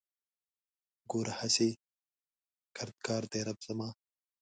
ګوره هسې کردګار دی رب زما